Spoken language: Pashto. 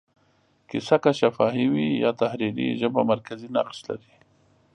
کیسه که شفاهي وي یا تحریري، ژبه مرکزي نقش لري.